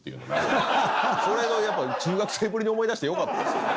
これがやっぱ中学生ぶりに思い出してよかったです。